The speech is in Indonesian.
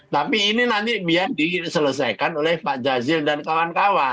tapi ini nanti biar diselesaikan oleh pak jazil dan kawan kawan